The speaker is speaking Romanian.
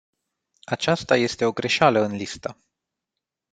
Aceasta este o greșeală în listă.